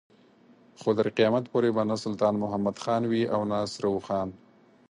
خو تر قيامت پورې به نه سلطان محمد خان وي او نه سره اوښان.